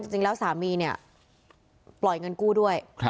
จริงแล้วสามีเนี่ยปล่อยเงินกู้ด้วย